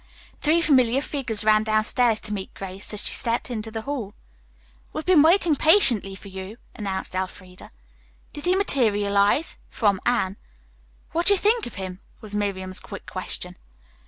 Three familiar figures ran downstairs to meet Grace as she stepped into the hall. "We've been waiting patiently for you," announced Elfreda. "Did he materialize?" from Anne. "What do you think of him?" was Miriam's quick question.